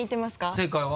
正解は？